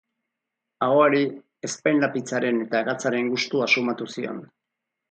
Ahoari ezpainlapitzaren eta gatzaren gustua sumatu zion.